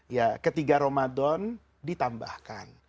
ya ketiga ramadan ditambahkan